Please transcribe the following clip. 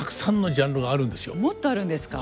もっとあるんですか。